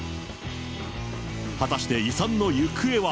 果たして遺産の行方は？